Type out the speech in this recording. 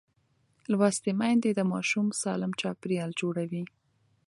لوستې میندې د ماشوم سالم چاپېریال جوړوي.